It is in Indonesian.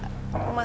rumah saya di sana